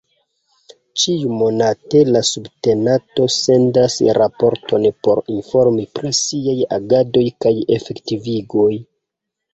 Ĉiumonate la subtenato sendas raporton por informi pri siaj agadoj kaj efektivigoj.